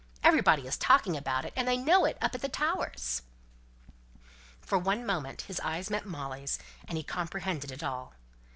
Everybody is talking about it, and they know it up at the Towers." For one moment his eyes met Molly's, and he comprehended it all.